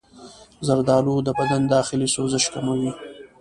زردآلو د بدن داخلي سوزش کموي.